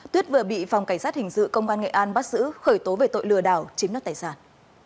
tuyết vừa bị phòng cảnh sát hình sự công an nghệ an bắt giữ khởi tố về tội lừa đảo chiếm đoạt tài sản